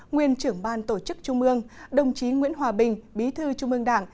nguyên trưởng ban tổ chức trung mương đồng chí nguyễn hòa bình bí thư trung mương đảng